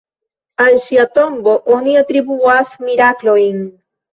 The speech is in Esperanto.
Al ŝia tombo oni atribuas miraklojn.